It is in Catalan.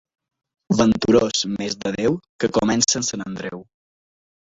Venturós mes de Déu que comença amb Sant Andreu.